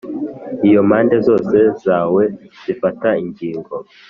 iyo, impande zose za wee zifata ingingo,